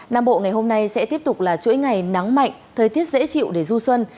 nam bộ ngày hôm nay sẽ tiếp tục là chuỗi ngày nắng mạnh thời tiết dễ chịu để du xuân